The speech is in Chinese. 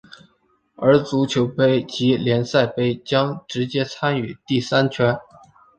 而足总杯及联赛杯将直接参与第三圈。